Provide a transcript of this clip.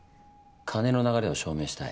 金の流れを証明したい。